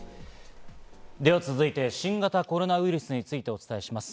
では続いて、新型コロナウイルスについてお伝えしていきます。